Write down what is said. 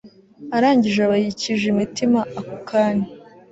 arangije aba yikije imitima ako kanya